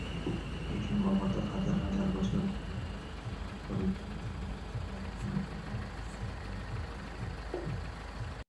এটি সম্ভবত হাজার হাজার বছর পূর্বে মানব পরিবহন এবং চাষাবাদের মাধ্যমে দক্ষিণ এশিয়ায় পৌঁছেছিল।